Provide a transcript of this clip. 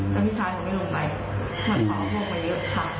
แต่พี่ชายเขาไม่ลงไปเหมือนเขาเอาพวกไปเรียกค่ะ